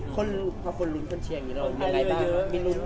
คนลุ้มคนเชียงอยู่แล้วง่ายบ้าง